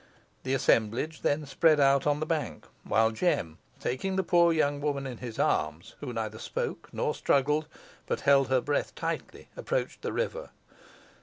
The assemblage then spread out on the bank, while Jem, taking the poor young woman in his arms, who neither spoke nor struggled, but held her breath tightly, approached the river.